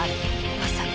まさか。